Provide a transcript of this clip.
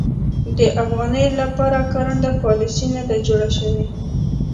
د افغانیو لپاره کارنده پالیسي نه ده جوړه شوې.